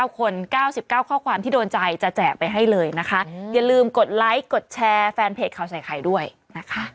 ๙คน๙๙ข้อความที่โดนใจจะแจกไปให้เลยนะคะอย่าลืมกดไลค์กดแชร์แฟนเพจข่าวใส่ไข่ด้วยนะคะ